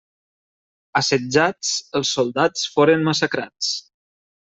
Assetjats, els soldats foren massacrats.